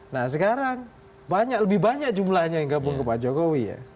nah sekarang lebih banyak jumlahnya yang gabung ke pak jokowi ya